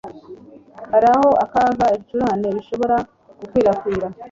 Hariho akaga ibicurane bishobora gukwirakwira.